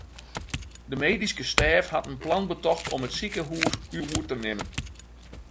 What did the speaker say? De medyske stêf hat in plan betocht om it sikehús oer te nimmen.